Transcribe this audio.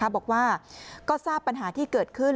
บอกว่าก็ทราบปัญหาที่เกิดขึ้น